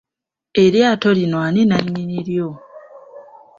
Eryato lino ani nannyini ryo.